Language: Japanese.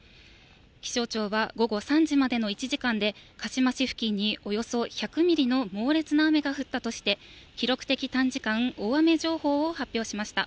気象庁は、午後３時までの１時間で、鹿嶋市付近におよそ１００ミリの猛烈な雨が降ったとして、記録的短時間大雨情報を発表しました。